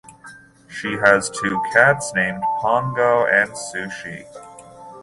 She has two cats named Pongo and Sushi.